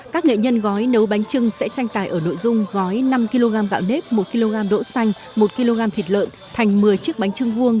các nghệ nhân gói nấu bánh trưng sẽ tranh tài ở nội dung gói năm kg gạo nếp một kg đỗ xanh một kg thịt lợn thành một mươi chiếc bánh trưng vuông